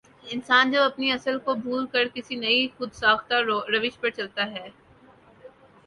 انسان جب اپنی اصل کو بھول کر کسی نئی خو د ساختہ روش پرچلتا ہے